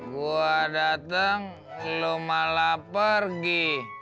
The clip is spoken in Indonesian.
gua dateng lu malah pergi